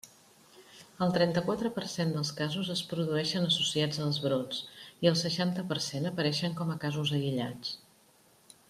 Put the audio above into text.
El trenta-quatre per cent dels casos es produïxen associats als brots i el seixanta per cent apareixen com a casos aïllats.